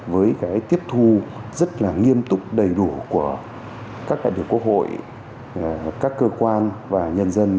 với cái tiếp thu rất là nghiêm túc đầy đủ của các đại biểu quốc hội các cơ quan và nhân dân